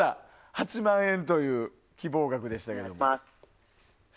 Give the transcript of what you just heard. ８万円という希望額でした。